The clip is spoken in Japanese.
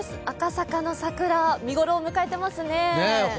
赤坂の桜、見頃を迎えていますね。